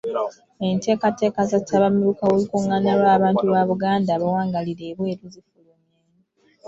Enteekateeka za ttabamiruka w’olukungaana lw’abantu ba Buganda abawangaalira ebweru zifulumye.